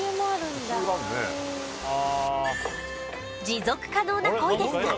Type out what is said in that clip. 「持続可能な恋ですか？